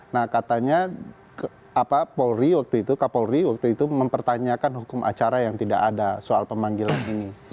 nah katanya kapolri waktu itu mempertanyakan hukum acara yang tidak ada soal pemanggilan ini